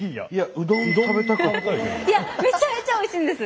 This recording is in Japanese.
いやめちゃめちゃおいしいんです！